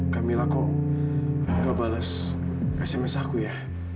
kamilah kok gak bales sms aku ya